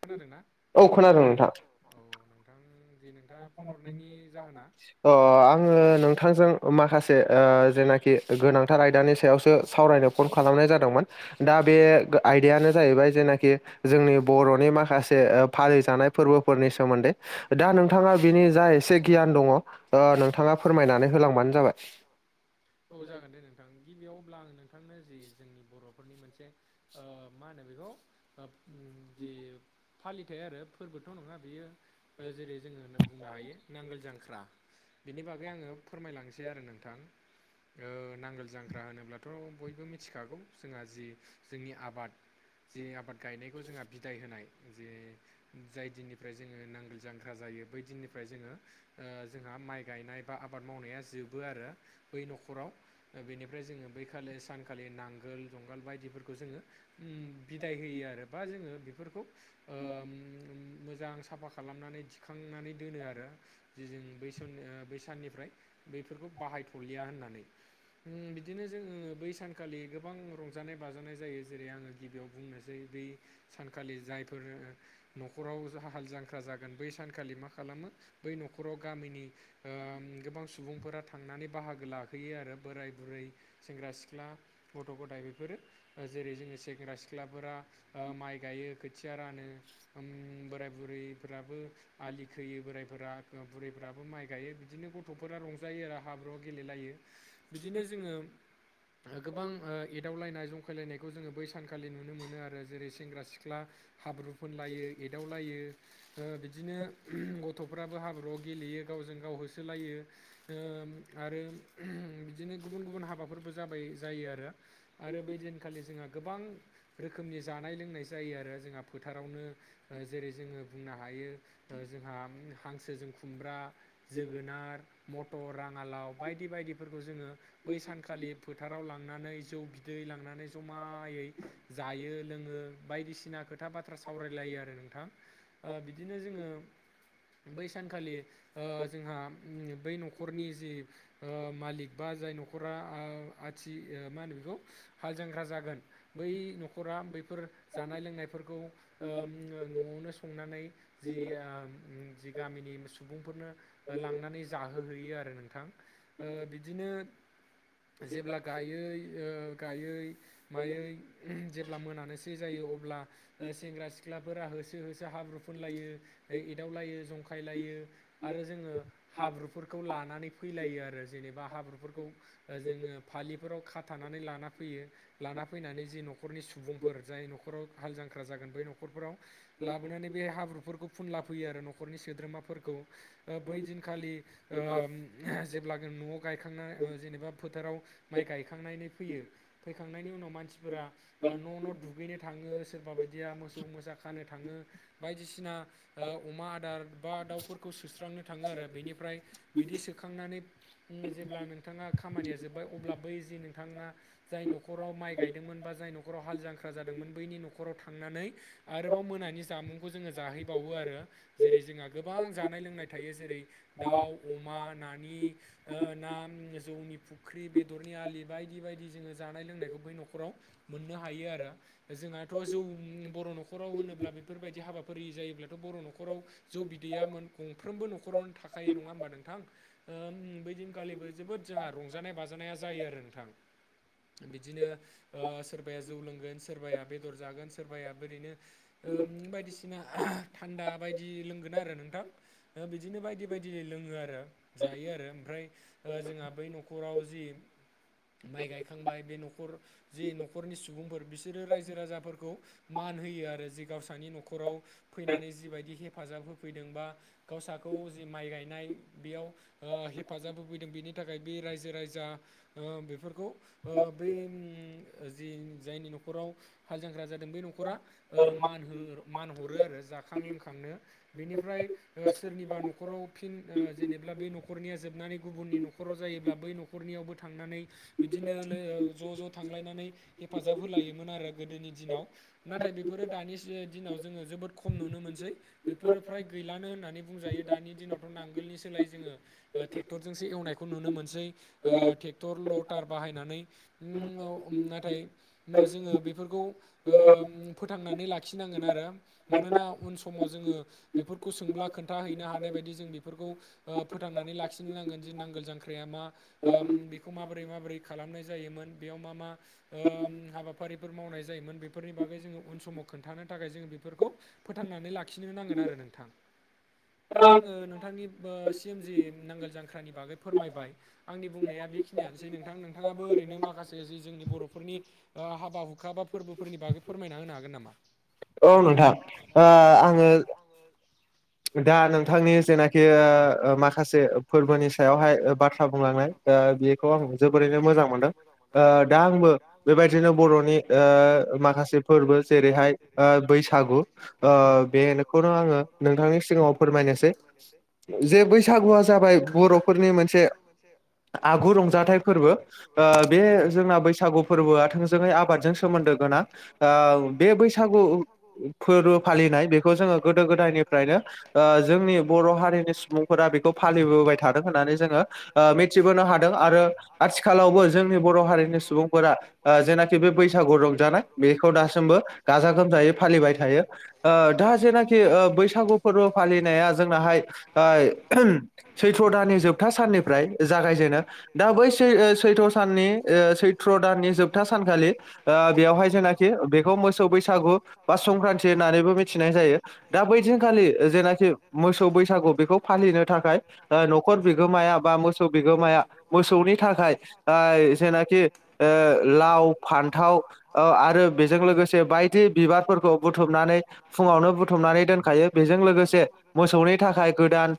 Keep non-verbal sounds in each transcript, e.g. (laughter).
खोनादोंना औ खोनादों नोंथां औ नोंथां जे नोंथाङा फन हरनायनि जाहोना? अ आङो नोंथांजों माखासे ओ जेनाखि गोनांथार आयदानि सायावसो सावरायनो खल खालामनाय जादोंमोन दा बे आयदायानो जाहैबाय जेनाखि जोंनि बर'नि माखासे ओ फालिजानाय फोरबोफोरनि सोमोन्दै दा नों नोंथाङा बिनि जा एसे गियान दङ ओ नोंथाङा फोरमायनानै होलांबानो जाबाय। औ जागोन दे नोंथां गिबियाव अब्ला आङो नोंथांनो जि जोंनि बर'फोरनि मोनसे ओ मा होनो बेखौ ओ जे फालिथाय आरो फोरबोथ' नङा बेयो जेरै जोङो होनना बुंनो हायो नांगोल जांख्रा बिनि बागै आंङो फोरमायलांसै आरो नोंथां ओ नांगोल जांख्रा होनोब्लाथ' बयबो मिथिखागौ जोंहा जि जोंनि आबाद जे आबाद गायनायखौ जोंहा बिदाय होनाय जे जाय दिननिफ्राय जोंङो नांगोल जांग्रा जायो बै दिननिफ्राय जोंङो ओ जोंहा माइ गायनाय बा आबाद मावनाया जोबो आरो बै न'खर न'खराव बेनिफ्राय जोंङो बैखालि सानखालि नांगोल-जुंगाल बायदिफोरखौ जोंङो ओम बिदाय होयो आरो बा जोंङो बेफोरखौ ओ ओम मोजां साफा खालामनानै दिखांनानै दोनो आरो जे जों बै समनि बैसाननिफ्राय बैफोरखौ बाहायथ'लिया होननानै बिदिनो जोंङो बै सानखालि गोबां रंजानाय-बाजानाय जायो जेरै आंङो गिबियाव बुंनोसै बै सानखालि जायफोर न'खराव हाल जांख्रा जागोन बै सानखालि मा खालामो बै न'खराव गामिनि ओ गोबां सुबुंफोरा थांनानै बाहागो ला फैयो आरो बोराय- बुरै, सेंग्रा-सिख्ला गथ'-गथाय बेफोरो जेरै- जोंङो सेंग्रा-सिख्लाफोरा ओ माइ गायो खोथिया रानो बोराय बुरैफोराबो आलि खोयो बोराइफोरा बुरैफ्राबो माइ गायो बिदिनो गथ'फोरा रंजायो आरो हाब्रु गेलेलायो। बिदिनो जोंङो ओ गोबां ओ एदावलायनाय जंखायलायनायखौ जोंङो बै सानखालि नुनो मोनो आरो जेरै सेंग्रा-सिख्ला हाब्रु फोनलायो एदावलायो। ओ बिदिनो गथ'फ्राबो हाब्रुआव गेलेयो गावजों-गाव होसोलायो ओ आरो बिदिनो गुबुन गुबुन हाबाफोरबो जाबाय जायो आरो आरो बै दिनखालि जोंहा गोबां रोखोमनि जानाय-लोंनाय जायो आरो जोंहा फोथारावनो जेरै जोंङो बुंनो हायो जोंहा हांसोजों खुमब्रा जोगोनार मटर रांङालाव बाय फोरखौ जोंङो बै सानखालि फोथाराव लांनानै जौ बिदै लांनानै जमायै जायो लोंङो बायदिसिना खोथा बाथ्रा सावरायलायो आरो नोंथां। ओ बिदिनो जोंङो बै सानखालि ओ जोंहा बै न'खरनि जि ओ मालिक बा जाय न'खरा आथि मा होनो बेखौ हाल जांख्रा जागोन बै न'खरा बैफोर जानाय-लोंनायफोरखौ ओ ओम न'आवनो संनानै जि ओ ओम जि गामिनि सुबुंफोरनो लांनानै जाहोहैयो आरो नोंथां ओ बिदिनो जेब्ला गायै ओ गायै मायो ओम जेब्ला मोनानोसै जायो अब्ला ओ सेंग्रा-सिख्लाफोरा होसो-होसो हाब्रुफुनलायो एदावलायो जंखायलायो आरो जोंङो हाब्रुफोरखौ लानानै फैलायो आरो जेनेबा हाब्रुफोरखौ जोंङो फालिफोराव खाथानानै लाना फैयो। लाना फैनानै जि न'खरनि सुबुंफोर जाय न'खराव हाल जांख्रा जागोन बै न'खरफोराव लाबोनानै बे हाब्रुफोरखौ फुनला फैयो आरो न'खरनि सोद्रोमाफोरखौ ओ बै दिनखालि ओ ओम जेबोब्ला न'आव गायखांना जेनेबा फोथाराव माइ गायखांनानै फैयो फैखांनायनि उनाव मानसिफोरा न' न' दुगैनो थांङो सोरबा बायदिया मोसौ मोसा खानो थांङो बायदिसिना अमा आदार बा दाउफोरखौ सुस्रांनो थांङो आरो बेनिफ्राय बिदि सोखांनानै जेब्ला नोंथांङा खामानिया जोब्बाय अब्ला बै जि नोंथांङा जाय न'खराव माइ गायदोंमोन बा जाय न'खराव हाल जांख्रा जादोंमोन बैनि न'खराव थांनानै आरोबाव मोनानि जामुंखौ जोंङो जाहैबावो आरो जेरै -जोंहा गोबां जानाय लोंनाय थायो जेरै दाउ, अमा, नानि ओ ना जौनि फुख्रि बेदरनि आलि बायदि बायदि जोंङो जानाय-लोंनायखौ बै न'खराव मोननो हायो आरो जोंहाथ' जौ बर' न'खराव होनोब्ला बेफोरबायदि हाबाफारि जायोब्लाथ' बर' न'खराव जौ बिदैयामोन गंफ्रोमबो न'खरावनो थाख नङा होमबा नोंथां बै दिनखालिबो जोबोद जोंहा रंजानाय बाजानाया जायो आरो नोंथां बिदिनो सोरबाया जौ लोंगोन सोरबाया बेदर जागोन सोरबाया ओरैनो ओ बायदिसिना थान्दा बायदि लोंगोन आरो नोंथां बिदिनो बायदि बायदि लोङो आरो जायो आरो ओमफ्राय जोंहा बै न'खराव जि माइ गायखांबाय बे न'खर जे न'खरनि सुबुंफोर बिसोरो रायजो राजाफोरखौ मान होयो आरो जे गावसानि न'खराव फैनानै जिबायदि हेफाजाब होफैदों बा गावसाखौ जि माइ गायनाय बेयाव ओ हेफाजाब हो लुबैदों बेनि थाखाय बे रायजो राजा ओ बेफोरखौ ओ बै उ जि जायनि न'खराव हाल जेंख्रा जादों बै न'खरा ओ मान मान हरो आरो जाखां लोंखांनो बेनिफ्राय सोरनिबा न'खराव फिन ओजेनेब बे न'खरनिया जोबनानै गुबुननि न'खराव जायोब्ला बै न'खरनियावबो थांनानै बिदिनो ज' ज' थांलायनानै हेफाजाब होलायोमोन आरो गोदोनि दिनाव नाथाय बेफोरो दानि दिनाव जोङो जोबोद खम नुनो मोनसै बेफोरो फ्राय गैलानो होननानै बुंजायो दानि दिनावथ' नांगोलनि सोलाय जोङो ट्रेक्टरजोंसो एवनायखौ नुनो मोनसै ओ ट्रेक्टर लटार बाहायनानै ओ औ नाथाय जोङो बेफोरखौ ओ फोथांनानै लाखिनांगोन आरो मानोना उन समाव जोङो बेफोरखौ सोंब्ला खोन्थाह हैनो हानाय बायदि जों बेफोरखौ ओ फोथांनानै लाखि लाखिनो नांगोन जे नांगोल जांख्राया मा ओ बेखौ माबोरै माबोरै खालामनाय जायोमोन बेयाव मा मा ओ हाबाफारिफोर मावनाय जायोमोन बेफोरनि बागै जोङो उन समाव खोन्थानो थाखाय जोङो बेफोरखौ फोथांनानै लाखिनो नांगोन आरो नोंथां (inaudible) दा आङो नोंथांनि ओ सिम जि नांगोल जांख्रानि बागै फोरमायबाय आंनि बुंनाया बेखिनियानोसै नोंथां नोंथाङाबो ओरैनो माखासे जि जोंनि बर'फोरनि आ हाबा हुखा बा फोरबोफोरनि बागै फोरमायना होनो हागोन नामा औ नोंथां ओ आङो दा नोंथांनि जेनाखि माखासे फोरबोनि सायावहाय बाथ्रा बुंलांनाय द बेखौ आं जोबोरैनो मोजां मोनदों ओ दा आंबो बेबायदिनो बर'नि ओ माखासे फोरबो जेरैहाय ओ बैसागु ओ बेखौनो आङो नोंथांनि सिगाङाव फोरमायनोसै जे बैसागुआ जाबाय बर'फोरनि मोनसे आगु रंजाथाइ फोरबो ओ बे जोंना बैसागु फोरबोआ थोंजोङै आबादजों सोमोन्दो गोनां। ओ बे बैसागु फोरबो फालिनाय बेखौ जोङो गोदो गोदायनिफ्रायनो ओ जोंनि बर' हारिनि सुबुंफोरा बेखौ फालिबोबाय थादों होननानै जोङो ओ मिथिबोनो हादों आरो आथिखालावबो जोंनि बर' हारिनि सुबुंफोरा ओ जेनाखि बे बैसागु रंजानाय बेखौ दासिमबो गाजा गोमजायै फालिबाय थायो ओ दा जेनाखि ओ बैसागु फोरबो फालिनाया जोंनाहाय ओ उम सैथ्र' दाननि जोबथा साननिफ्राय जागायजेनो दा बैै सै सैथ्र' साननि ओ सैथ्र' दाननि जोबथा सानखालि ओ बेवहाय जेनाखि बेखौ मोसौ बैसागु बा संक्रान्त होननानैबो मिथिनाय जायो दा बैथिंखालि जेनाखि मोसौ बैसागु बेखौ फालिनो थाखाय ओ न'खर बिगोमाया बा मोसौ बिगोमाया मोसौनि थाखाय आय जेनाखि ओ लाव फान्थाव औ आरो बेजों लोगोसे बायदि बिबारफोरखौ बुथुमनानै फुङावनो बुथुमनानै दोनखायो बेजों जों लोगोसे मोसौनि थाखाय गोदान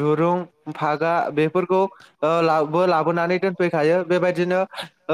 दुरुं फागा बेफोरखौ ओ लाबो लाबोनानै दोनफैखायो बेबायदिनो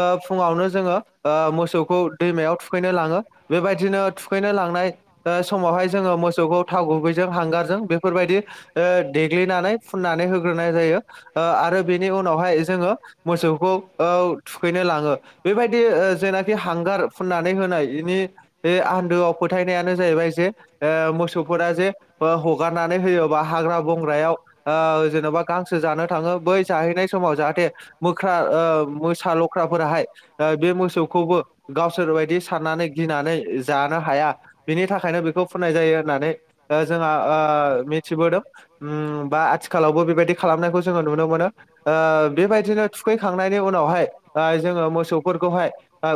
ओ फुङावनो जोङो ओ मोसौखौ दैमायाव थुखैनो लाङो बेबायदिनो थुखैनो लांनाय ओ समावहाय जोङो मोसौखौ थाव गुबैजों हांगारजों बेफोरबायदि ओ देग्लिनानै फुननानै होग्रोनाय जायो। ओ आरो बेनि उनावहाय जोङो मोसौखौ ओ थुखैनो लाङो। बेबायदि ओ जेनाखि हांगार फुननानै होनाय इनि बे आन्दोआव फोथायनायानो जाहैबाय जे ओ मोसौ फोरा जे ओ हगारनानै होयोबा हाग्रा बंग्रायाव ओ जेन'बा गांसो जानो थाङो बै जाहैनाय समाव जाहाथे मोख्रा ओ मोसा लख्राफोराहाय ओ बे मोसौखौबो गावसोर बायदि साननानै गिनानै जानो हाया। बिनि थाखायनो बेखौ फुननाय जायो होननानै ओ जोंहा ओ मिथिबोदों ओम बा आथिखालावबो बेबायदि खालामनायखौ जोङो नुनो मोनो। ओ बेबायदिनो थुखैखांनायनि उनावहाय ओ जोङो मोसौफोरखौहाय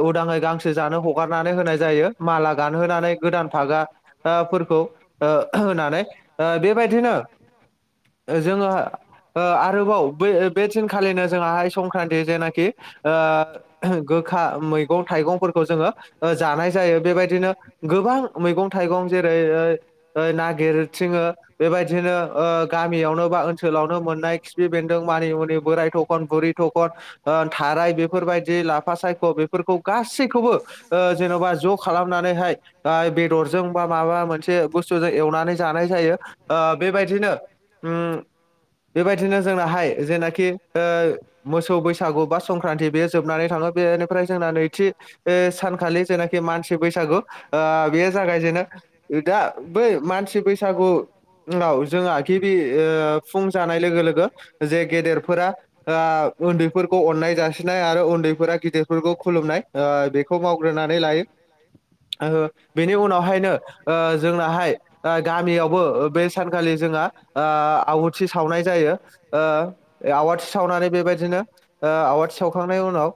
उदाङै गांसो जानो हगारनानै होनाय जायो माला गानहोनानै गोदान फागा ओ फोरखौ ओ होनानै ओ बेबायदिनो जोङो ओ आरोबाव बै बे दिनखालिनो जोंहाहाय संक्रान्ति जेनाखि ओ गोखा मैगं थाइगंफोरखौ जोङो जानाय जायो। बेबायदिनो गोबां मैगं थाइगं जेरै ओ-ओ नागिर थिङो बेबायदिनो ओ गामियावनो बा ओनसोलावनो मोननाय खिफि बेन्दों मानिमुनि बोराय थ' खन बुरि थखन ओ थाराय बेफोरबायदि लाफा सायख' बेफोरखौ गासैखौबो ओ जेन'बा ज' खालामनानैहाय बा बेदरजों बा माबा मोनसे बुस्थुजों एवनानै जानाय जायो। ओ बेबायदिनो ओम बेबायदिनो जोंनाहाय जेनाखि ओ मोसौ बैसागु बा संक्रान्ति बेयो जोबनानै थाङो बेनिफ्राय जोंना नैथि ओ सानखालि जेनाखि मानसि बैसागु ओ बे जागायजेनो ओ दा बै मानसि बैसागु उनाव जोंहा गिबि ओ फुं जानाय लोगो-लोगो जे गेदेरफोरा ओ उन्दैफोरखौ अननाय जासिनाय आरो उन्दैफोरा गिदिरफोरखौ खुलुमनाय ओ बेखौ मावग्रोनानै लायो ओ बेनि उनावहायनो ओ जोंनाहाय ओ गामियावबो बे सानखालि जोङो आ आवाथि सावनाय जायो। ओ आवाथि सावनानै बेबायदिनो ओ आवाथि सावखांनाय उनाव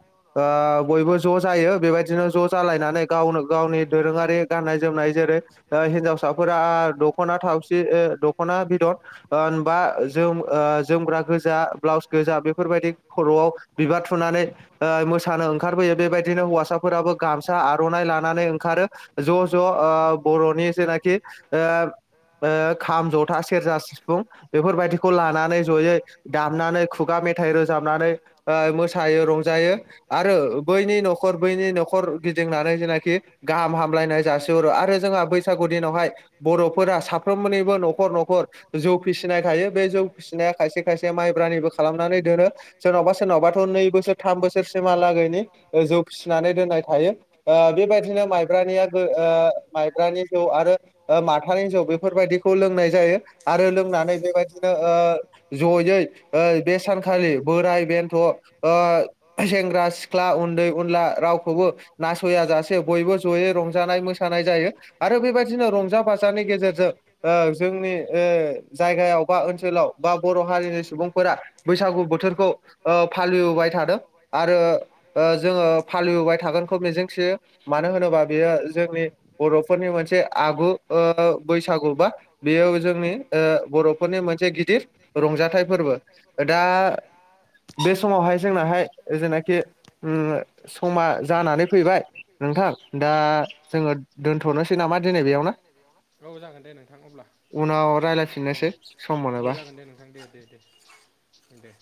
ओ बयबो ज' जायो बेबायदिनो ज' जालायनानै गावनो गावनि दोरोङारि गाननाय जोमनाय जेरै ओ हिनजावसाफोरा दख'ना थावसि ओ दख'ना बिदन ओनबा जोम ओ जोमग्रा गोजा ब्लाउस गोजा बेफोरबायदि खर'आव बिबार थुनानै ओ मोसानो ओंखारबोयो बेबायदिनो हौवासाफोराबो गामसा आर'नाइ लानानै ओंखारो ज' ज' ओ बर'नि जेनाखि ओ ओ खाम न, जथा, सेरजा, सिफुं बेफोरबायदिखौ लानानै जयै दामनानै खुगा मेथाइ रोजाबनानै ओ मोसायो रंजायो आरो बैनि न'खर बैनि न'खर गिदिंनानै जेनाखि गाहाम हामलायनाय जासिहरो आरो जोंहा बैसागु दिनावहाय बर'फोरा साफ्रोमनिबो न'खर - न'खर जौ फिसिनाय थायो। बे जौ फिसिनाय खायसे - खायसे माइब्रानिबो खालामनानै दोनो सोरनावबा सोरनावबाथ' नै बोसोर थाम बोसोरसिमहालागैनि ओ जौ फिसिनानै दोननाय थायो। ओ बेबायदिनो माइब्रानिया बो ओ माइब्रानि जौ आरो ओ माथा जौ बेफोरबायदिखौ लोंनाय जायो आरो लोंनानै बेबायदिनो ओ जयै ओ बे सानखालि बोराय बेन्थ' ओ सेंग्रा सिख्ला उन्दै उनला रावखौबो नास'या जासे बयबो जयै रंजानाय मोसानाय जायो आरो बेबायदिनो रंजा-बाजानि गेजेरजों ओ जोंनि ओ जायगायाव बा ओनसोलाव बा बर' हारिनि सुबुंफोरा बैसागु बोथोरखौ ओ फालिबोबाय थादों आरो ओ जोङो फालिबोबाय थागोनखौ मिजिंथियो मानो होनोबा बेयो जोंनि बर' फोरनि मोनसे आगु ओ बैसागु बा बेयाव जोंनि ओ बर'फोरनि मोनसे गिदिर रंजाथाइ फोरबो दा बे समावहाय जोंनाहाय जेनाखि उ समा जानानै फैबाय नोंथां दा जोङो दोनथ'नोसै नामा दिनै बेयावनो औ जागोन दे नोंथां अब्ला औ औ जागोन दे नोंथां दे दे दे दे